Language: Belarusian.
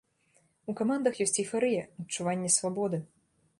У камандах ёсць эйфарыя, адчуванне свабоды.